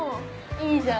いいじゃん。